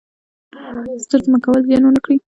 ستر ځمکوال زیان ونه کړي.